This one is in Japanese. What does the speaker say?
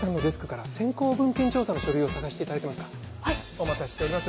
お待たせしております